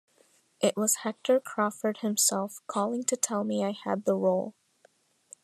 It was Hector Crawford himself calling to tell me I had the role.